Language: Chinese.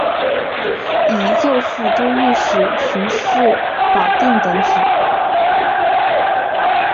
以右副都御史巡视保定等府。